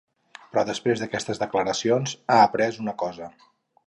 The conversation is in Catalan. Però després d’aquestes declaracions he après una cosa.